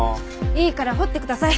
いいから掘ってください。